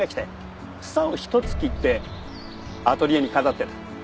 房を１つ切ってアトリエに飾ってた。